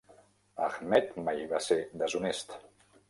Ahmed mai va ser deshonest.